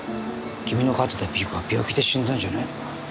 君の飼ってたピーコは病気で死んだんじゃないのか？